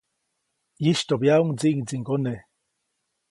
ʼYistyoʼbyaʼuŋ ndsiʼŋdsiŋgone.